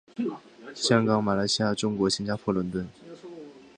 香港马来西亚中国新加坡伦敦